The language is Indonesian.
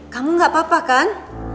kamu gak apa apa kan